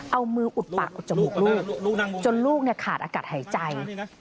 เอามืออุดปากอุดจมูกลูกจนลูกขาดอากาศหายใจ